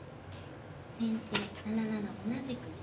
先手７七同じく銀。